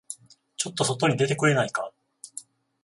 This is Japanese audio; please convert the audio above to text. ちょっと外に出てくれないか。